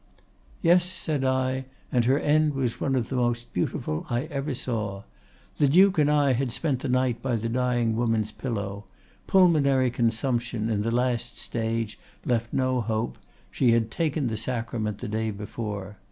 "Yes," said I; "and her end was one of the most beautiful I ever saw. The Duke and I had spent the night by the dying woman's pillow; pulmonary consumption, in the last stage, left no hope; she had taken the sacrament the day before.